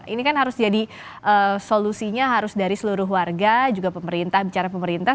ini kan harus jadi solusinya harus dari seluruh warga juga pemerintah bicara pemerintah